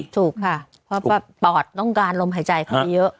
ถูกค่ะเพราะปอดต้องการลมหายใจเข้าไปเยอะ